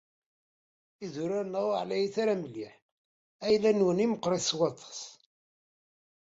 Idurar-nneɣ ur εlayit ara mliḥ. Ayla-nwen i meqqrit s waṭas.